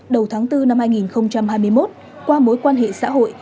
đầu tháng bốn năm hai nghìn hai mươi một qua mối quan hệ xã hội